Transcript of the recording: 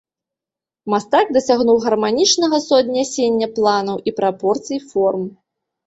Мастак дасягнуў гарманічнага суаднясення планаў і прапорцый форм.